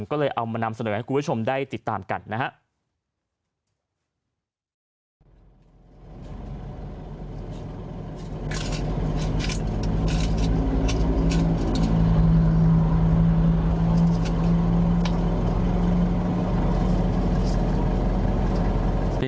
ก็เลยเอามานำเสนอให้คุณผู้ชมได้ติดตามกันนะครับ